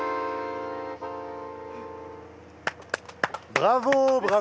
ブラボー！